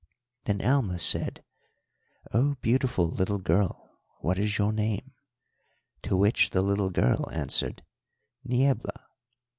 Then Alma said, 'Oh, beautiful little girl, what is your name?' to which the little girl answered: "'Niebla.'